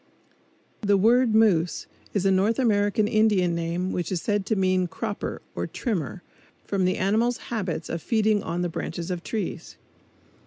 The word moose is a North American Indian name which is said to mean "cropper" or "trimmer," from the animal's habits of feeding on the branches of trees.